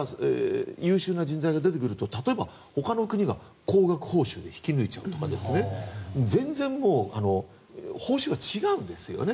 優秀な人材が出てくると例えばほかの国が高額報酬で引き抜いちゃうとか全然、報酬が違うんですよね。